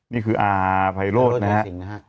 นี่คืออภัยโรดนะครับ